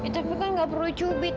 tapi kan nggak perlu cubit